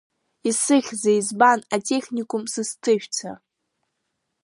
Исыхьзеи, избан, атехникум сызҭышәца?